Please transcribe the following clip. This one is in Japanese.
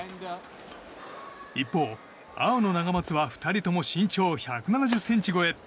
一方、青のナガマツは２人とも身長１７０ｃｍ超え。